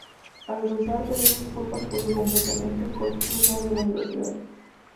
Al rehusar pedir disculpas por su comportamiento, fue expulsada de la universidad.